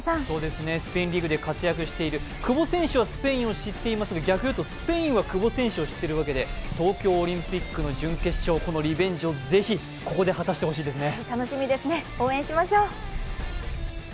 スペインリーグで活躍している、久保選手はスペインを知っていますが、逆を言うとスペインは久保選手を知っているわけで東京オリンピックの準決勝のリベンジをぜひここで果たしてほしいですね。